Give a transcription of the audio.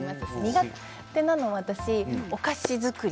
苦手なのはお菓子作り。